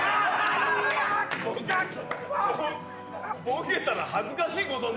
ボケたら恥ずかしいこと。